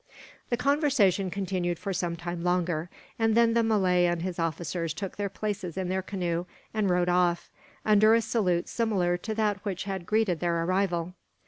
The conversation continued for some time longer, and then the Malay and his officers took their places in their canoe and rowed off, under a salute similar to that which had greeted their arrival.